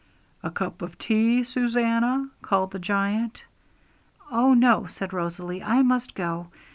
'A cup of tea, Susannah!' called the giant. 'Oh no,' said Rosalie; 'I must go.